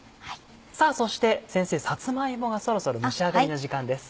さぁそして先生さつま芋がそろそろ蒸し上がりの時間です。